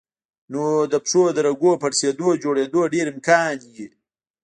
نو د پښو د رګونو پړسېدو جوړېدو ډېر امکان وي